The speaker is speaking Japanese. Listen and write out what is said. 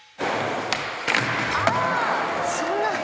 そんな。